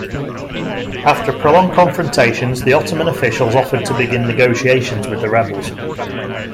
After prolonged confrontations the Ottoman officials offered to begin negotiations with the rebels.